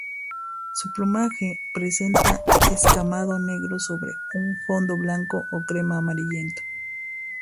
Su plumaje presenta escamado negro sobre un fondo blanco o crema amarillento.